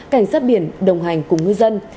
cảnh sát biển đồng hành cùng ngư dân